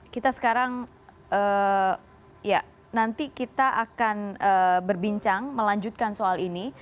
kita sekarang nanti akan berbincang melanjutkan soal ini